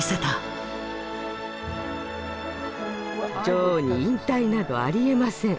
女王に引退などありえません。